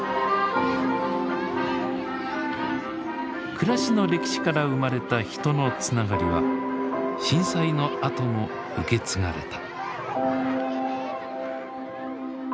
暮らしの歴史から生まれた人のつながりは震災のあとも受け継がれた。